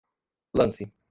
lance